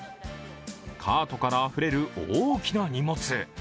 カートからあふれる大きな荷物。